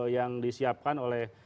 yang disiapkan oleh